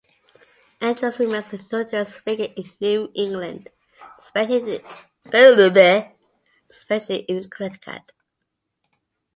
Andros remains a notorious figure in New England, especially in Connecticut.